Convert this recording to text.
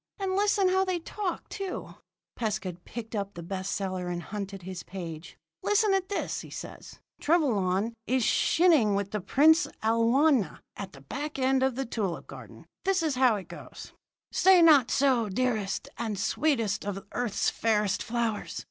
And listen how they talk, too!" Pescud picked up the best seller and hunted his page. "Listen at this," said he. "Trevelyan is chinning with the Princess Alwyna at the back end of the tulip garden. This is how it goes: "'Say not so, dearest and sweetest of earth's fairest flowers.